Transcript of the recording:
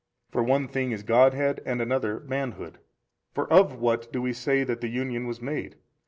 for one thing is Godhead, and another manhood. For of what do we say that the Union was made?